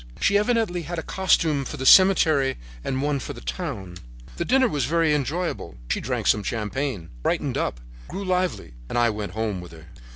She evidently had a costume for the cemetery and one for the town. "The dinner was very enjoyable. She drank some champagne, brightened up, grew lively and I went home with her.